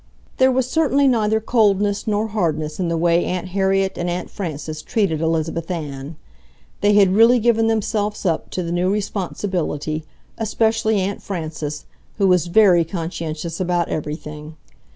There was certainly neither coldness nor hardness in the way Aunt Harriet and Aunt Frances treated Elizabeth Ann. They had really given themselves up to the new responsibility, especially Aunt Frances, who was very conscientious about everything.